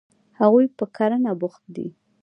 هغوی په کرنه بوخت دي.